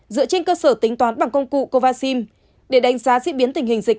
dựa trên cơ sở tính toán bằng công cụ kovacim để đánh giá diễn biến tình hình dịch